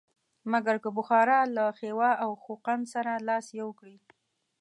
مګر که بخارا له خیوا او خوقند سره لاس یو کړي.